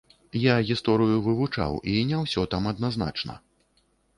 Я гісторыю вывучаў, і не ўсё там адназначна.